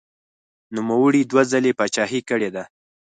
نوموړي دوه ځلې پاچاهي کړې ده.